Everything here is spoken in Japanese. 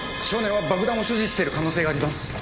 少年は爆弾を所持している可能性があります。